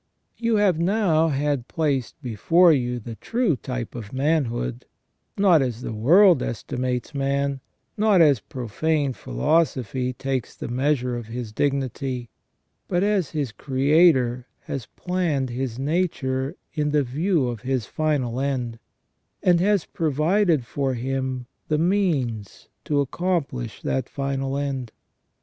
You have now had placed before you the true type of manhood, not as the world estimates man, not as profane philosophy takes the measure of his dignity, but as his Creator has planned his nature in the view of his final end, and has provided for him the means to accomplish that final end.